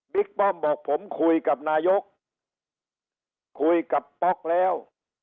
ป้อมบอกผมคุยกับนายกคุยกับป๊อกแล้ว